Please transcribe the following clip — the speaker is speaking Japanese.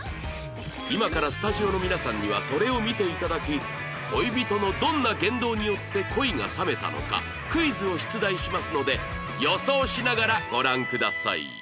今からスタジオの皆さんにはそれを見ていただき恋人のどんな言動によって恋が冷めたのかクイズを出題しますので予想しながらご覧ください